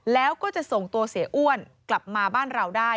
แล้วก็จะส่งตัวเสียอ้วนกลับมาบ้านเราได้